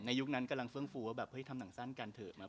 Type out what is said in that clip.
ในยุคนั้นกำลังเฟื่องฟูว่าทำหนังสั้นกันเถอะ